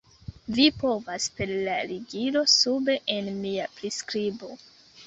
Vi povas per la ligilo sube en mia priskribo